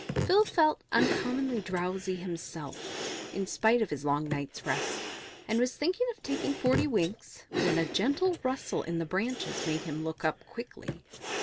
Phil felt uncommonly drowsy himself, in spite of his long night's rest, and was thinking of taking forty winks when a gentle rustle in the branches made him look up quickly.